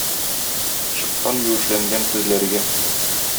Чыктан юешләнгән тезләргә.